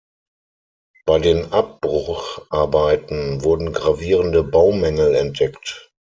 Bei den Abbrucharbeiten wurden gravierende Baumängel entdeckt.